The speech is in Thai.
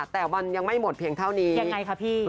แต่มันยังไม่หมดเพียงเท่านี้ยังไงคะพี่